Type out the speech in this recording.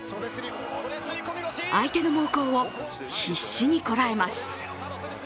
相手の猛攻を必死にこらえます。